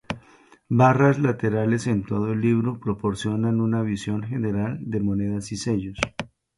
Barras laterales en todo el libro proporcionan una visión general de monedas y sellos.